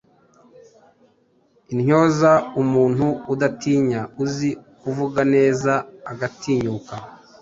Intyoza: umuntu udatinya uzi kuvuga neza agatinyuka